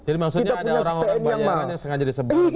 jadi maksudnya ada orang orang bayarannya sengaja disebut